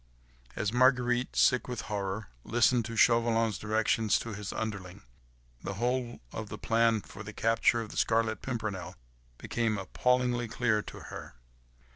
As Marguerite, sick with horror, listened to Chauvelin's directions to his underling, the whole of the plan for the capture of the Scarlet Pimpernel became appallingly clear to her.